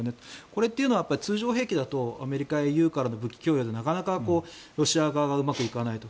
これっていうのは通常兵器でアメリカからの武器供与でなかなかロシア側がうまくいかないと。